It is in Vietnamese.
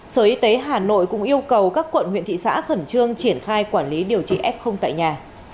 sở y tế hà nội cũng yêu cầu các quận huyện thị xã khẩn trương triển khai quản lý điều trị f tại nhà